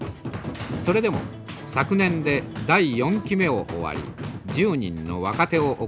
それでも昨年で第４期目を終わり１０人の若手を送り出しました。